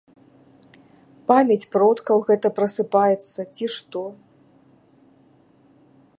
Памяць продкаў гэта прасыпаецца, ці што.